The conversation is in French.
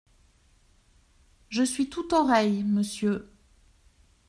Je suis tout oreilles, monsieur.